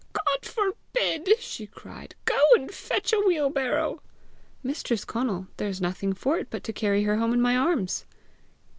"God forbid!" she cried. "Go and fetch a wheelbarrow." "Mistress Conal, there is nothing for it but carry her home in my arms!"